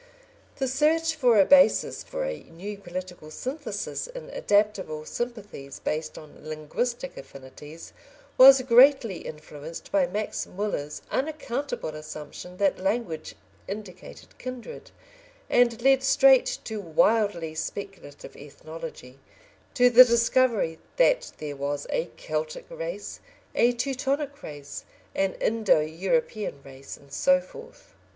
The search for a basis for a new political synthesis in adaptable sympathies based on linguistic affinities, was greatly influenced by Max Muller's unaccountable assumption that language indicated kindred, and led straight to wildly speculative ethnology, to the discovery that there was a Keltic race, a Teutonic race, an Indo European race, and so forth.